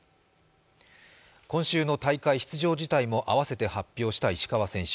今週の大会出場辞退もあわせて発表した石川選手。